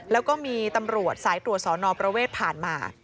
แล้วก็มีตำรวจสายตรวจสอนอประเวทผ่านมา